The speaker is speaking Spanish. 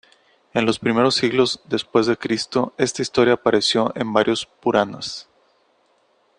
En los primeros siglos d. C. esta historia apareció en varios "Puranas".